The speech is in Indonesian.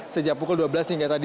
sejak pukul dua belas hingga tadi